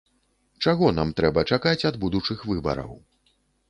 Чаго нам трэба чакаць ад будучых выбараў?